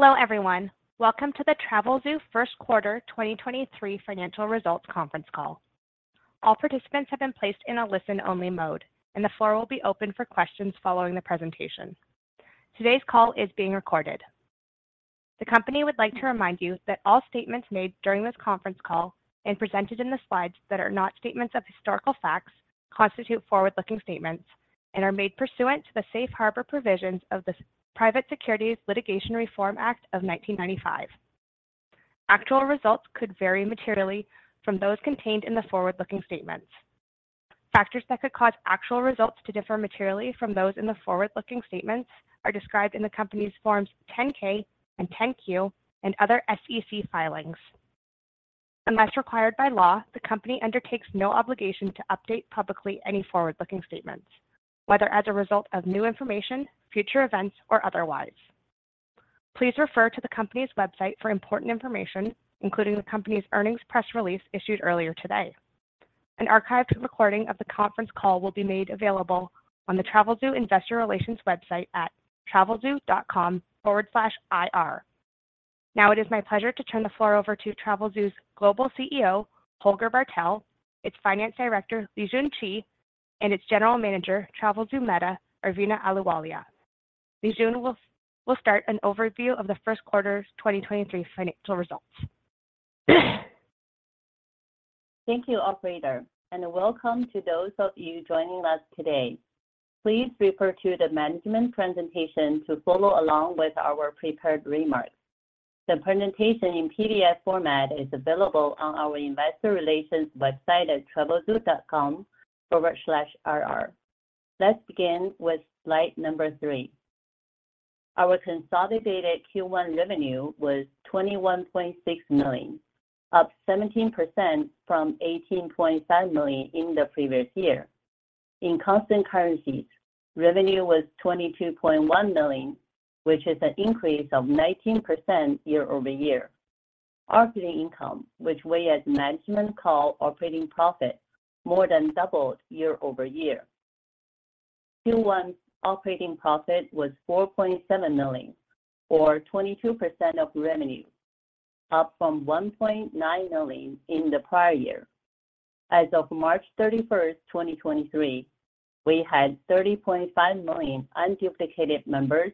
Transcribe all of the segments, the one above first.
Hello, everyone. Welcome to the Travelzoo First Quarter 2023 Financial Results Conference Call. All participants have been placed in a listen-only mode, and the floor will be open for questions following the presentation. Today's call is being recorded. The company would like to remind you that all statements made during this conference call and presented in the slides that are not statements of historical facts constitute forward-looking statements and are made pursuant to the Safe Harbor provisions of the Private Securities Litigation Reform Act of 1995. Actual results could vary materially from those contained in the forward-looking statements. Factors that could cause actual results to differ materially from those in the forward-looking statements are described in the company's Forms 10-K and 10-Q and other SEC filings. Unless required by law, the company undertakes no obligation to update publicly any forward-looking statements, whether as a result of new information, future events, or otherwise. Please refer to the company's website for important information, including the company's earnings press release issued earlier today. An archived recording of the conference call will be made available on the Travelzoo Investor Relations website at travelzoo.com/ir. It is my pleasure to turn the floor over to Travelzoo's Global CEO, Holger Bartel, its Finance Director, Lijun Qi, and its General Manager, Travelzoo META, Arveena Ahluwalia. Lijun will start an overview of the first quarter's 2023 financial results. Thank you, operator, and welcome to those of you joining us today. Please refer to the management presentation to follow along with our prepared remarks. The presentation in PDF format is available on our Investor Relations website at travelzoo.com/ir. Let's begin with slide number three. Our consolidated Q1 revenue was $21.6 million, up 17% from $18.5 million in the previous year. In constant currencies, revenue was $22.1 million, which is an increase of 19% year-over-year. Operating income, which we as management call operating profit, more than doubled year-over-year. Q1's operating profit was $4.7 million or 22% of revenue, up from $1.9 million in the prior year. As of March 31st, 2023, we had 30.5 million unduplicated members,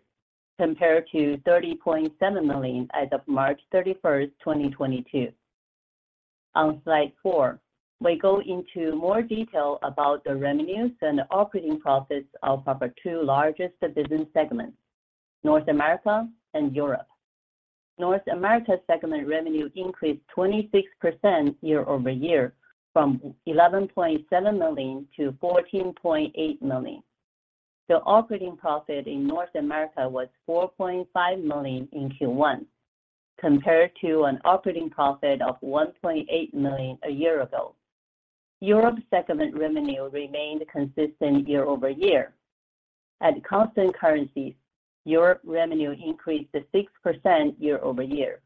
compared to 30.7 million as of March 31st, 2022. On slide four, we go into more detail about the revenues and operating profits of our two largest business segments, North America and Europe. North America segment revenue increased 26% year-over-year from $11.7 million to $14.8 million. The operating profit in North America was $4.5 million in Q1, compared to an operating profit of $1.8 million a year ago. Europe segment revenue remained consistent year-over-year. At constant currencies, Europe revenue increased 6% year-over-year.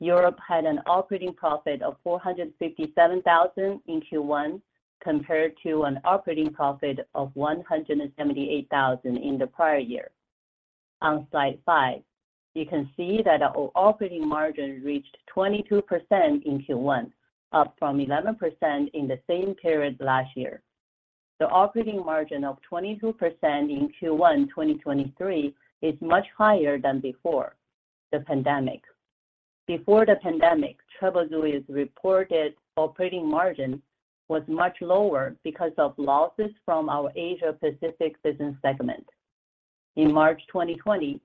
Europe had an operating profit of $457,000 in Q1, compared to an operating profit of $178,000 in the prior year. On slide five, you can see that our operating margin reached 22% in Q1, up from 11% in the same period last year. The operating margin of 22% in Q1 2023 is much higher than before the pandemic. Before the pandemic, Travelzoo's reported operating margin was much lower because of losses from our Asia-Pacific business segment. In March 2020,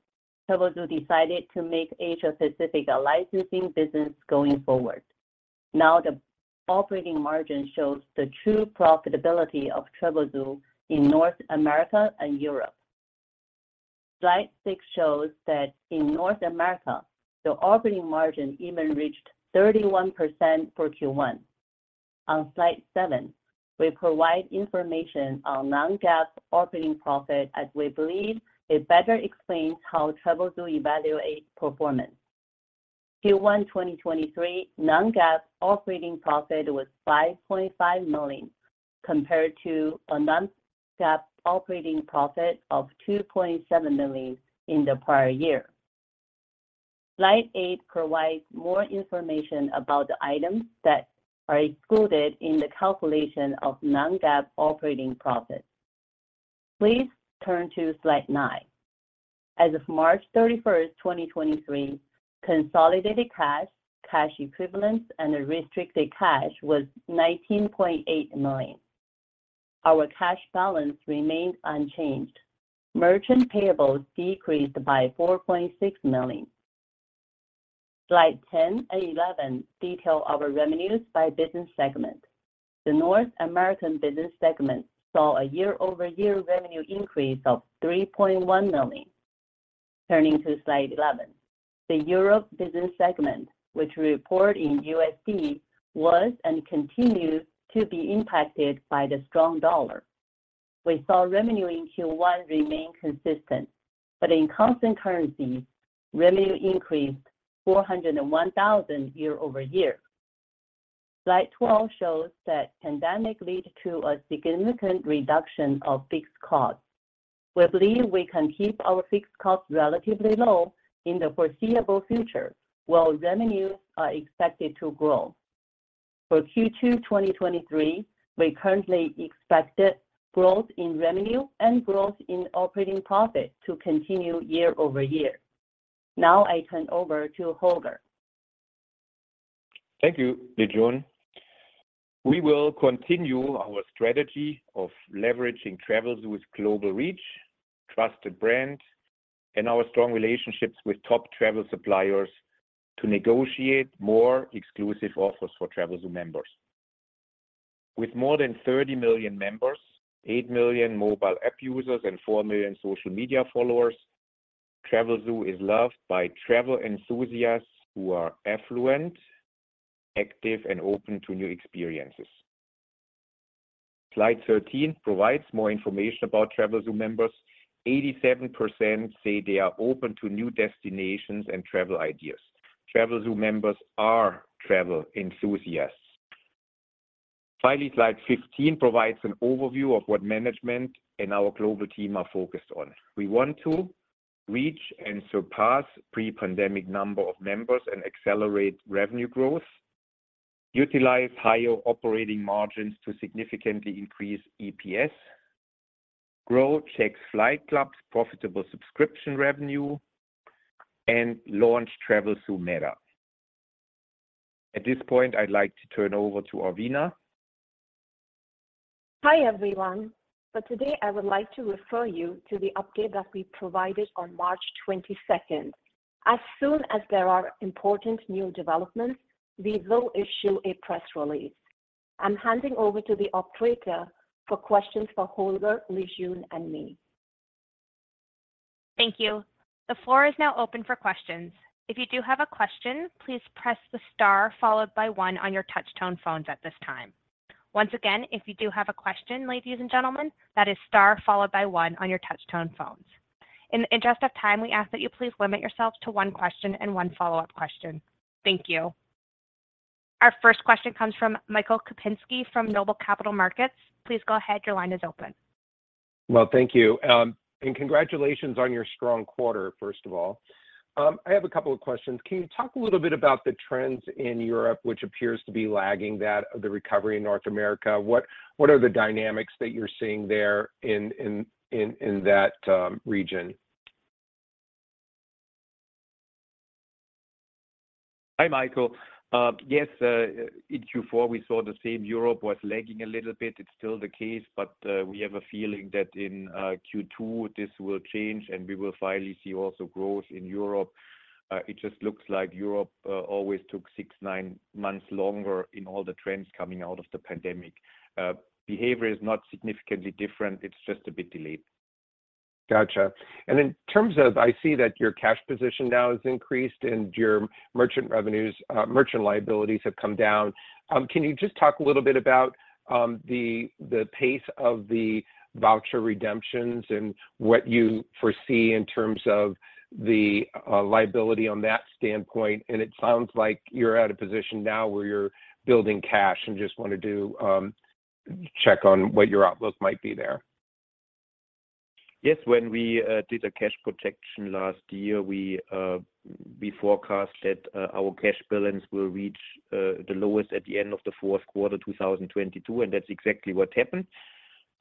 Travelzoo decided to make Asia-Pacific a licensing business going forward. Now the operating margin shows the true profitability of Travelzoo in North America and Europe. Slide 6 shows that in North America, the operating margin even reached 31% for Q1. On slide seven, we provide information on non-GAAP operating profit as we believe it better explains how Travelzoo evaluates performance. Q1 2023 non-GAAP operating profit was $5.5 million, compared to a non-GAAP operating profit of $2.7 million in the prior year. Slide eight provides more information about the items that are excluded in the calculation of non-GAAP operating profit. Please turn to slide nine. As of March 31st, 2023, consolidated cash equivalents, and restricted cash was $19.8 million. Our cash balance remained unchanged. Merchant payables decreased by $4.6 million. Slide 10 and 11 detail our revenues by business segment. The North American business segment saw a year-over-year revenue increase of $3.1 million. Turning to slide 11. The Europe business segment, which we report in USD, was and continues to be impacted by the strong dollar. We saw revenue in Q1 remain consistent. In constant currency, revenue increased $401,000 year-over-year. Slide 12 shows that pandemic led to a significant reduction of fixed costs. We believe we can keep our fixed costs relatively low in the foreseeable future, while revenues are expected to grow. For Q2 2023, we currently expected growth in revenue and growth in operating profit to continue year-over-year. Now I turn over to Holger. Thank you, Lijun. We will continue our strategy of leveraging Travelzoo's global reach, trusted brand, and our strong relationships with top travel suppliers to negotiate more exclusive offers for Travelzoo members. With more than 30 million members, 8 million mobile app users, and 4 million social media followers, Travelzoo is loved by travel enthusiasts who are affluent, active, and open to new experiences. Slide 13 provides more information about Travelzoo members. 87% say they are open to new destinations and travel ideas. Travelzoo members are travel enthusiasts. Finally, slide 15 provides an overview of what management and our global team are focused on. We want to reach and surpass pre-pandemic number of members and accelerate revenue growth, utilize higher operating margins to significantly increase EPS, grow Jack's Flight Club's profitable subscription revenue, and launch Travelzoo META. At this point, I'd like to turn over to Arveena. Hi, everyone. For today, I would like to refer you to the update that we provided on March 22nd. As soon as there are important new developments, we will issue a press release. I'm handing over to the operator for questions for Holger, Lijun, and me. Thank you. The floor is now open for questions. If you do have a question, please press the star followed by one on your touch-tone phones at this time. Once again, if you do have a question, ladies and gentlemen, that is star followed by one on your touch-tone phones. In the interest of time, we ask that you please limit yourself to one question and one follow-up question. Thank you. Our first question comes from Michael Kupinski from Noble Capital Markets. Please go ahead. Your line is open. Well, thank you. Congratulations on your strong quarter, first of all. I have a couple of questions. Can you talk a little bit about the trends in Europe, which appears to be lagging that of the recovery in North America? What are the dynamics that you're seeing there in that region? Hi, Michael. Yes, in Q4, we saw the same. Europe was lagging a little bit. It's still the case. We have a feeling that in Q2, this will change, and we will finally see also growth in Europe. It just looks like Europe always took six, nine months longer in all the trends coming out of the pandemic. Behavior is not significantly different. It's just a bit delayed. Gotcha. In terms of I see that your cash position now has increased and your merchant liabilities have come down. Can you just talk a little bit about the pace of the voucher redemptions and what you foresee in terms of the liability on that standpoint? It sounds like you're at a position now where you're building cash and just wanna check on what your outlook might be there. Yes. When we did a cash protection last year, we forecasted our cash balance will reach the lowest at the end of the fourth quarter, 2022. That's exactly what happened.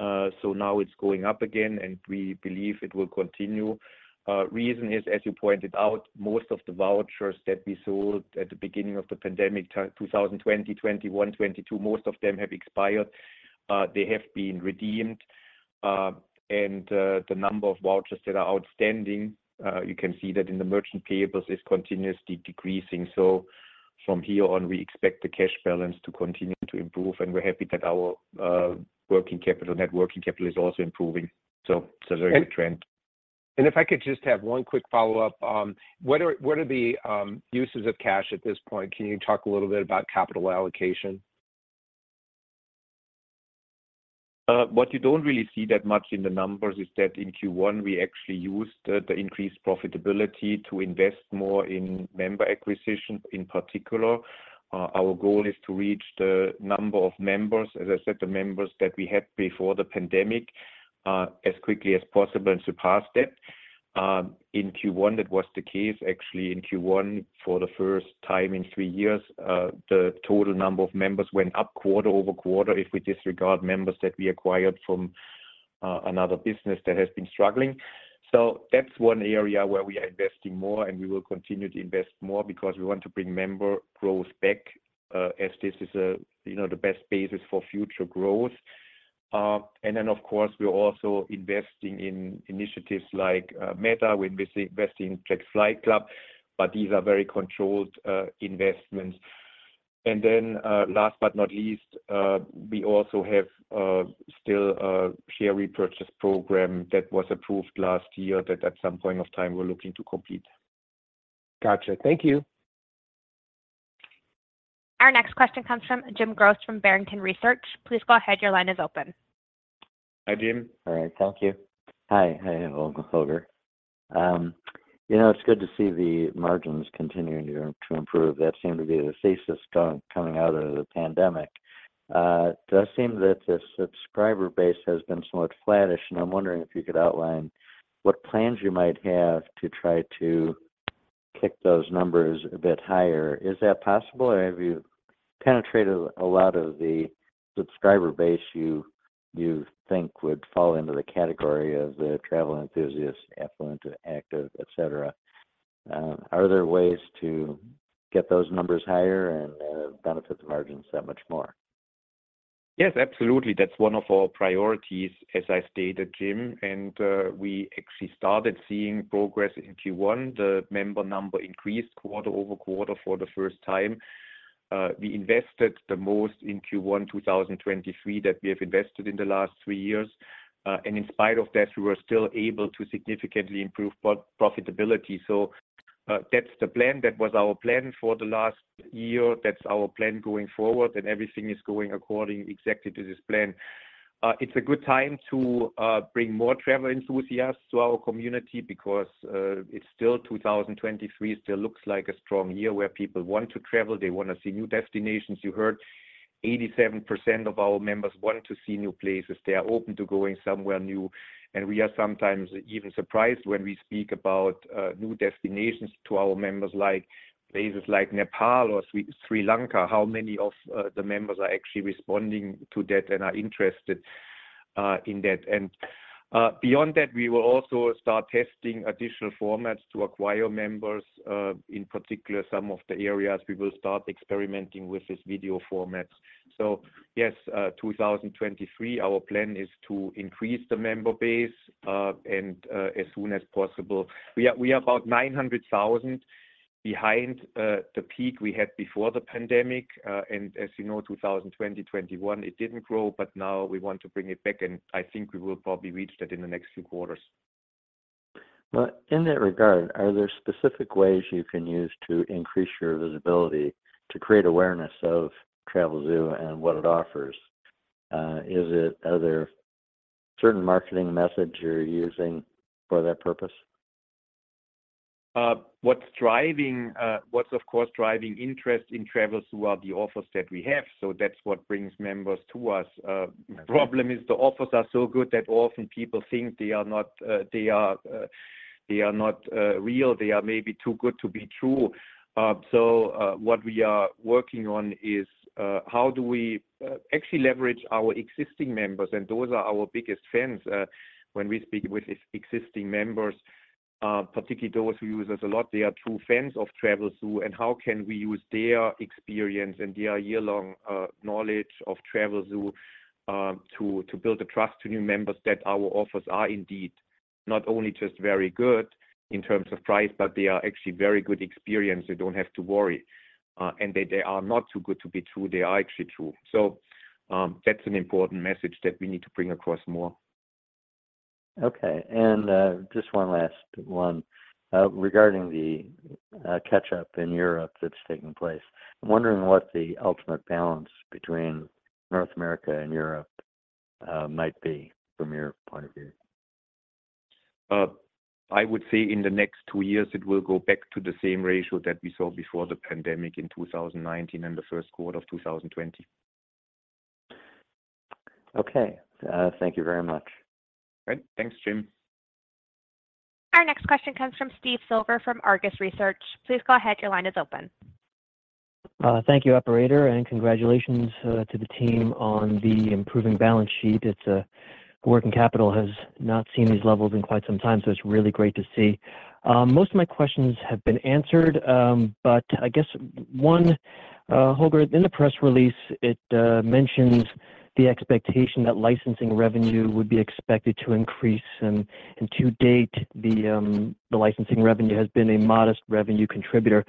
Now it's going up again. We believe it will continue. Reason is, as you pointed out, most of the vouchers that we sold at the beginning of the pandemic, 2020, 2021, 2022, most of them have expired. They have been redeemed. The number of vouchers that are outstanding, you can see that in the merchant payables is continuously decreasing. From here on, we expect the cash balance to continue to improve, and we're happy that our working capital, net working capital is also improving. It's a very good trend. If I could just have one quick follow-up. What are the uses of cash at this point? Can you talk a little bit about capital allocation? What you don't really see that much in the numbers is that in Q1, we actually used the increased profitability to invest more in member acquisition. In particular, our goal is to reach the number of members, as I said, the members that we had before the pandemic, as quickly as possible and surpass that. In Q1, that was the case. Actually, in Q1, for the first time in three years, the total number of members went up quarter-over-quarter if we disregard members that we acquired from another business that has been struggling. That's 1 area where we are investing more, and we will continue to invest more because we want to bring member growth back, as this is a, you know, the best basis for future growth. Of course, we're also investing in initiatives like META. We investing Jack's Flight Club, but these are very controlled investments. Last but not least, we also have still a share repurchase program that was approved last year that at some point of time we're looking to complete. Gotcha. Thank you. Our next question comes from Jim Goss from Barrington Research. Please go ahead. Your line is open. Hi, Jim. All right. Thank you. Hi. Hi, Holger. You know, it's good to see the margins continuing to improve. That seemed to be the safest coming out of the pandemic. Does seem that the subscriber base has been somewhat flattish, and I'm wondering if you could outline what plans you might have to try to kick those numbers a bit higher. Is that possible, or have you penetrated a lot of the subscriber base you think would fall into the category of the travel enthusiast, affluent, active, et cetera? Are there ways to get those numbers higher and benefit the margins that much more? Yes, absolutely. That's one of our priorities, as I stated, Jim. We actually started seeing progress in Q1. The member number increased quarter-over-quarter for the first time. We invested the most in Q1 2023 that we have invested in the last three years. In spite of that, we were still able to significantly improve pro-profitability. That's the plan. That was our plan for the last year. That's our plan going forward, and everything is going according exactly to this plan. It's a good time to bring more travel enthusiasts to our community because it's still 2023, still looks like a strong year where people want to travel. They wanna see new destinations. You heard 87% of our members want to see new places. They are open to going somewhere new. We are sometimes even surprised when we speak about new destinations to our members, like places like Nepal or Sri Lanka, how many of the members are actually responding to that and are interested in that. Beyond that, we will also start testing additional formats to acquire members. In particular, some of the areas we will start experimenting with is video formats. Yes, 2023, our plan is to increase the member base, and as soon as possible. We are about 900,000 behind the peak we had before the pandemic. As you know, 2020 ' 2021, it didn't grow, but now we want to bring it back, and I think we will probably reach that in the next few quarters. Well, in that regard, are there specific ways you can use to increase your visibility to create awareness of Travelzoo and what it offers? Are there certain marketing methods you're using for that purpose? What's driving, what's of course driving interest in Travelzoo are the offers that we have, so that's what brings members to us. Yeah. Problem is the offers are so good that often people think they are not real. They are maybe too good to be true. What we are working on is how do we actually leverage our existing members, and those are our biggest fans. When we speak with existing members, particularly those who use us a lot, they are true fans of Travelzoo, and how can we use their experience and their year-long knowledge of Travelzoo to build the trust to new members that our offers are indeed not only just very good in terms of price, but they are actually very good experience. They don't have to worry. That they are not too good to be true, they are actually true. That's an important message that we need to bring across more. Okay. Just one last one. Regarding the catch-up in Europe that's taking place. I'm wondering what the ultimate balance between North America and Europe might be from your point of view. I would say in the next two years, it will go back to the same ratio that we saw before the pandemic in 2019 and the first quarter of 2020. Okay. Thank you very much. Great. Thanks, Jim. Our next question comes from Steve Silver from Argus Research. Please go ahead. Your line is open. Thank you, operator, and congratulations to the team on the improving balance sheet. It's working capital has not seen these levels in quite some time, so it's really great to see. Most of my questions have been answered, but I guess one, Holger, in the press release, it mentions the expectation that licensing revenue would be expected to increase. To date, the licensing revenue has been a modest revenue contributor.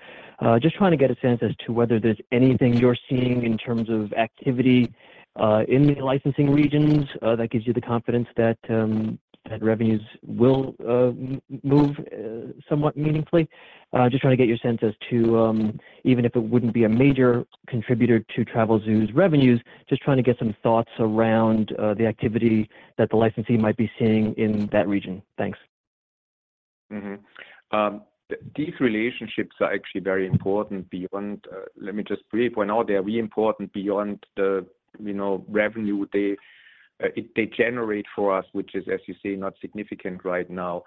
Just trying to get a sense as to whether there's anything you're seeing in terms of activity in the licensing regions that gives you the confidence that revenues will move somewhat meaningfully. just trying to get your sense as to, even if it wouldn't be a major contributor to Travelzoo's revenues, just trying to get some thoughts around the activity that the licensee might be seeing in that region. Thanks. These relationships are actually very important beyond, let me just briefly point out they are really important beyond the, you know, revenue they generate for us, which is, as you say, not significant right now.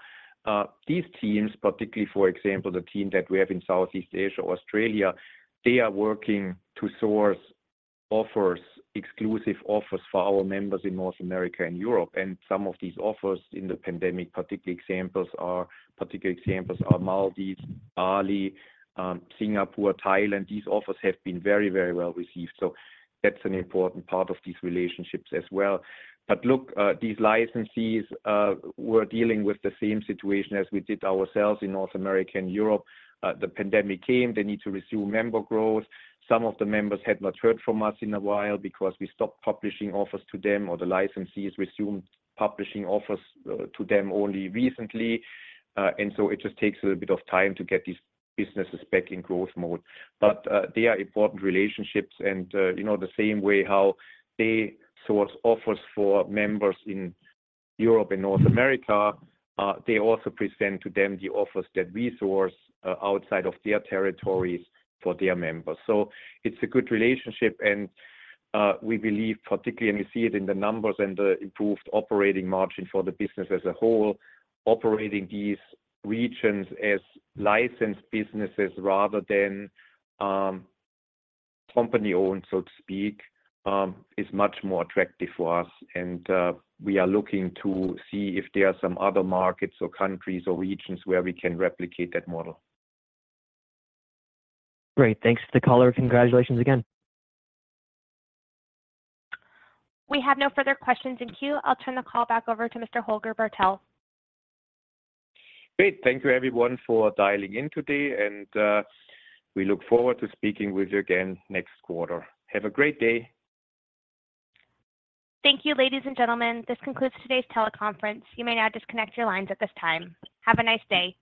These teams, particularly for example, the team that we have in Southeast Asia or Australia, they are working to source offers, exclusive offers for our members in North America and Europe. Some of these offers in the pandemic, particular examples are Maldives, Bali, Singapore, Thailand. These offers have been very, very well received. That's an important part of these relationships as well. Look, these licensees were dealing with the same situation as we did ourselves in North America and Europe. The pandemic came, they need to resume member growth. Some of the members had not heard from us in a while because we stopped publishing offers to them, or the licensees resumed publishing offers to them only recently. It just takes a little bit of time to get these businesses back in growth mode. They are important relationships and, you know, the same way how they source offers for members in Europe and North America, they also present to them the offers that we source outside of their territories for their members. It's a good relationship, and we believe particularly, and we see it in the numbers and the improved operating margin for the business as a whole, operating these regions as licensed businesses rather than company-owned, so to speak, is much more attractive for us. We are looking to see if there are some other markets or countries or regions where we can replicate that model. Great. Thanks to the caller. Congratulations again. We have no further questions in queue. I'll turn the call back over to Mr. Holger Bartel. Great. Thank you everyone for dialing in today. We look forward to speaking with you again next quarter. Have a great day. Thank you, ladies and gentlemen. This concludes today's teleconference. You may now disconnect your lines at this time. Have a nice day.